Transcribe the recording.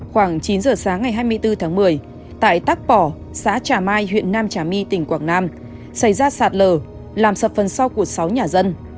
khoảng chín giờ sáng ngày hai mươi bốn tháng một mươi tại tác bỏ xã trà mai huyện nam trà my tỉnh quảng nam xảy ra sạt lở làm sập phần sau của sáu nhà dân